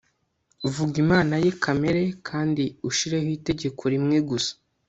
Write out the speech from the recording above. Vuga imana ye Kamere kandi ushireho itegeko rimwe gusa